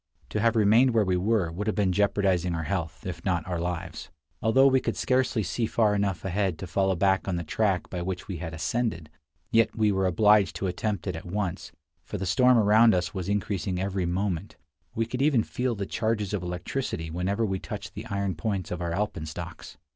To have remained where we were would have been jeopardizing our health, if not our lives. Although we could scarcely see far enough ahead to follow back on the track by which we had ascended, yet we were obliged to attempt it at once, for the storm around us was increasing every moment; we could even feel the charges of electricity whenever we touched the iron points of our alpenstocks.